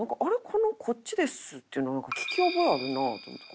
この「こっちです」っていうのなんか聞き覚えあるなと思って。